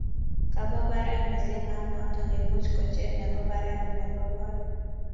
kabo barak mising mat noton kemuch kocher nebo barak nebo kot